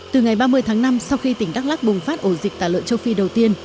từ ngày ba mươi tháng năm sau khi tỉnh đắk lắc bùng phát ổ dịch tả lợn châu phi đầu tiên